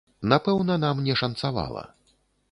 Напэўна, нам не шанцавала.